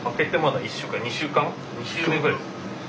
２週目ぐらいです。